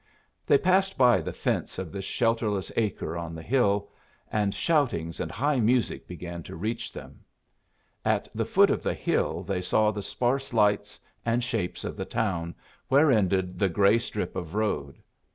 They passed by the fence of this shelterless acre on the hill, and shoutings and high music began to reach them. At the foot of the hill they saw the sparse lights and shapes of the town where ended the gray strip of road.